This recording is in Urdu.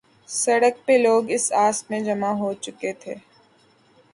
سڑک پہ لوگ اس اثناء میں جمع ہوچکے تھے۔